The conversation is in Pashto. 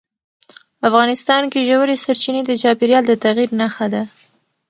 افغانستان کې ژورې سرچینې د چاپېریال د تغیر نښه ده.